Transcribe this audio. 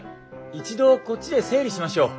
一度こっちで整理しましょう。